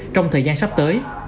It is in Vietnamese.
trong thời gian sắp tới